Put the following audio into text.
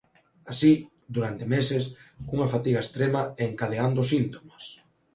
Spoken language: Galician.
Así, durante meses, cunha fatiga extrema e encadeando síntomas.